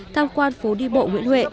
tham quan phố đi bộ nguyễn huệ